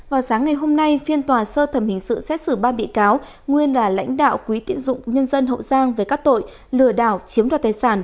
vào sáng ngày hôm nay phiên tòa sơ thẩm hình sự xét xử ba bị cáo nguyên là lãnh đạo quỹ tiện dụng nhân dân hậu giang về các tội lừa đảo chiếm đoạt tài sản